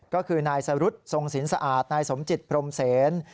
ก็คือนายสรุธทรงสินสะอาดนายสมจิตพรมเสน